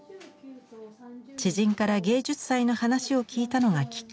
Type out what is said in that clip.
知人から芸術祭の話を聞いたのがきっかけでした。